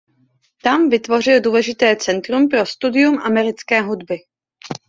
Tam vytvořil důležité centrum pro studium americké hudby.